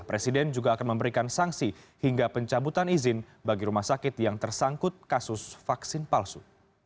presiden juga akan memberikan sanksi hingga pencabutan izin bagi rumah sakit yang tersangkut kasus vaksin palsu